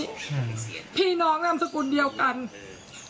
หนูก็พูดอย่างงี้หนูก็พูดอย่างงี้